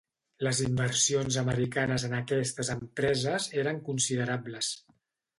Les inversions americanes en aquestes empreses eren considerables.